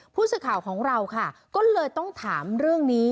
ผู้สื่อข่าวของเราค่ะก็เลยต้องถามเรื่องนี้